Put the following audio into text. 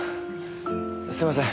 すいません。